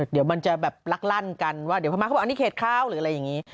เดี๋ยวมันจะแบบลักลั่นกันว่าเดี๋ยวพม่าเขาบอกอันนี้เขตเขาหรืออะไรอย่างนี้